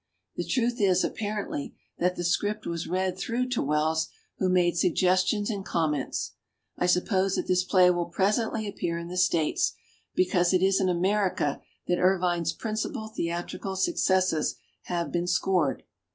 The truth is, ap parently, that the script was read through to Wells, who made sugges tions and comments. I suppose that this play will presently appear in the States, because it is in America that Ervine's principal theatrical successes have been scored.